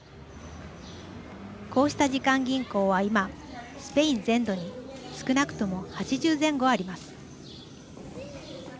こうした時間銀行は今スペイン全土に少なくとも８０前後あります。